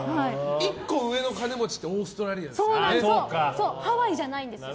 １個上の金持ちってオーストラリアですよね。